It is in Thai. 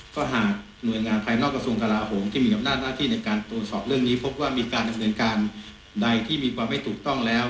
ก็หากหน่วยงานภายนอกกระทรวงกลาโหมที่มีอำนาจหน้าที่ในการตรวจสอบเรื่องนี้พบว่ามีการดำเนินการใดที่มีความไม่ถูกต้องแล้ว